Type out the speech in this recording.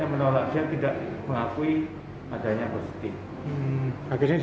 yang memberikan suatu edukasi terkait dengan